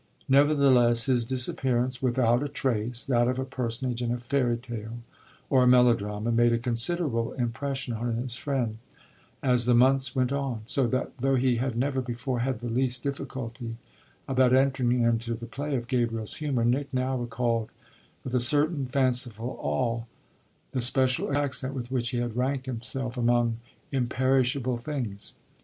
Nevertheless his disappearance "without a trace," that of a personage in a fairy tale or a melodrama, made a considerable impression on his friend as the months went on; so that, though he had never before had the least difficulty about entering into the play of Gabriel's humour, Nick now recalled with a certain fanciful awe the special accent with which he had ranked himself among imperishable things.